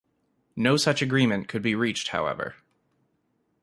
No such agreement could be reached however.